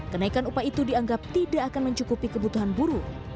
kenaikan upah itu dianggap tidak akan mencukupi kebutuhan buruh